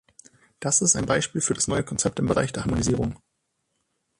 Das ist ein Beispiel für das neue Konzept im Bereich der Harmonisierung.